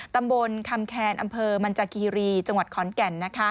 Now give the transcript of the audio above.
ตำบลคำแคนอำเภอมันจากีรีจังหวัดขอนแก่น